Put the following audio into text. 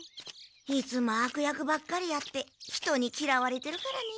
いつも悪役ばっかりやって人にきらわれてるからね。